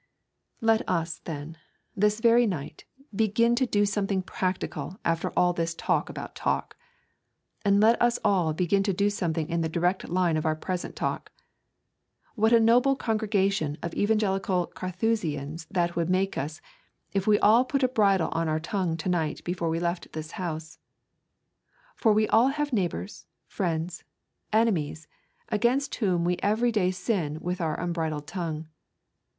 Let us, then, this very night begin to do something practical after all this talk about talk. And let us all begin to do something in the direct line of our present talk. What a noble congregation of evangelical Carthusians that would make us if we all put a bridle on our tongue to night before we left this house. For we all have neighbours, friends, enemies, against whom we every day sin with our unbridled tongue.